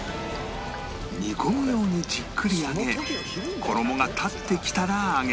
煮込むようにじっくり揚げ衣が立ってきたら揚げ時